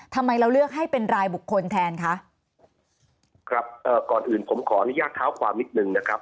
ทำไมเราเลือกให้เป็นรายบุคคลแทนคะครับเอ่อก่อนอื่นผมขออนุญาตเท้าความนิดนึงนะครับ